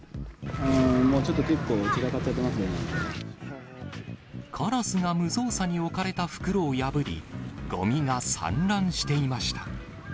もうちょっと結構、カラスが無造作に置かれた袋を破り、ごみが散乱していました。